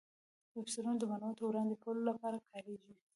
ویب سرورونه د معلوماتو وړاندې کولو لپاره کارېږي.